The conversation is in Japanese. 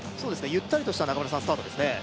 ゆったりとした中村さんスタートですね